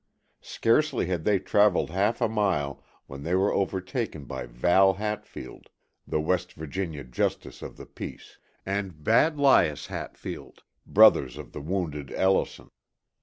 Scarcely had they traveled half a mile, when they were overtaken by Val Hatfield, the West Virginia justice of the peace, and "Bad Lias" Hatfield, brothers of the wounded Ellison.